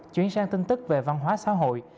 chuyển sang tin tức về văn hóa xã hội